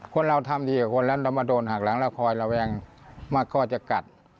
คนเราทำดีกว่าคนแล้วเรามาโดนหักหลังแล้วคอยระแวงมากก็จะกัด